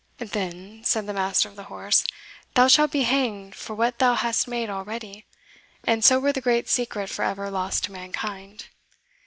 "Then," said the master of the horse, "thou shalt be hanged for what thou hast made already, and so were the great secret for ever lost to mankind.